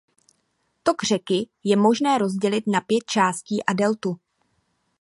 Tok řeky je možné rozdělit na pět částí a deltu.